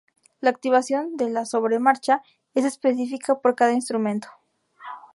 La activación de la sobre marcha es específica para cada instrumento.